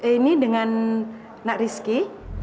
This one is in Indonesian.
ini dengan nak rizky